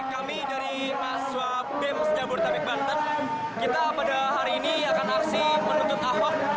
kami dari maswa bems jabodetabek banten kita pada hari ini akan aksi menuntut ahok